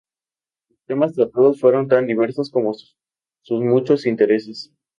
Los temas tratados fueron tan diversos como sus muchos intereses.